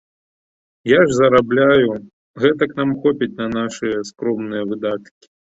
Я ж зарабляю, гэтак нам хопіць на нашыя скромныя выдаткі.